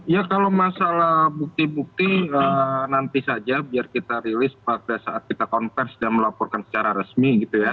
ya kalau masalah bukti bukti nanti saja biar kita rilis pada saat kita konversi dan melaporkan secara resmi gitu ya